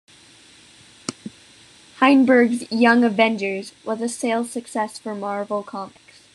Heinberg's "Young Avengers" was a sales success for Marvel Comics.